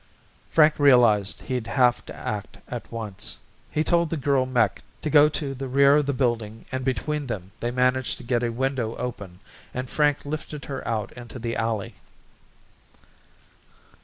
Frank realized he'd have to act at once. He told the girl mech to go to the rear of the building and between them they managed to get a window open and Frank lifted her out into the alley.